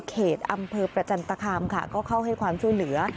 เขตอำเภอประจันตคามค่ะก็เข้าให้ความช่วยเหลือ